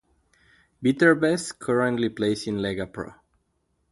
Viterbese currently plays in Lega Pro.